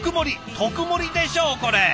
特盛りでしょうこれ！